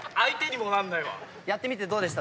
やってみてどうでした？